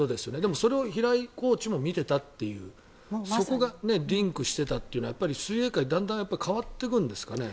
それを平井コーチも見ていたというそこがリンクしていたというのは水泳界、だんだん変わっていくんですかね。